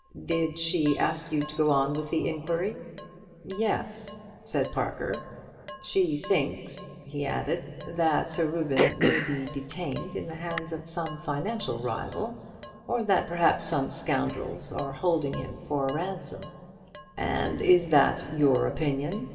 "Did she ask you to go on with the inquiry?" "Yes," said Parker; "she thinks," he added, "that Sir Reuben may be detained in the hands of some financial rival or that perhaps some scoundrels are holding him to ransom." "And is that your opinion?"